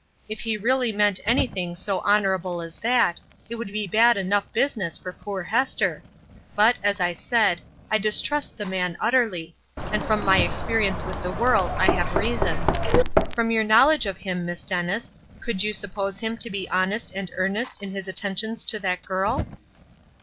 "If he really meant anything so honorable as that, it would be bad enough business for poor Hester; but, as I said, I distrust the man utterly; and from my experience with the world I have reason. From your knowledge of him, Miss Dennis, could you suppose him to be honest and earnest in his attentions to that girl?"